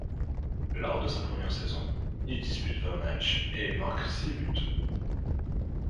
Lors de sa première saison, il dispute vingt matchs et marque six buts.